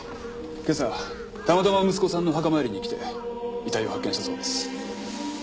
今朝たまたま息子さんの墓参りに来て遺体を発見したそうです。